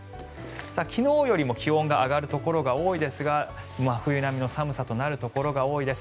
昨日よりも気温が上がるところが多いですが真冬並みの寒さとなるところが多いです。